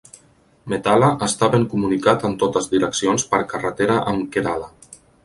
Methala està ben comunicat en totes direccions per carretera amb Kerala.